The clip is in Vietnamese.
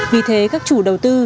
vì thế các chủ đầu tư